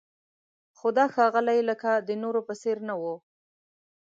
خو دا ښاغلی لکه د نورو په څېر نه و.